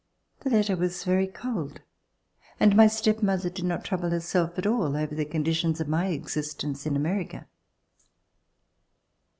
The letter was very cold, and my step mother did not trouble herself at all over the conditions of my existence in America.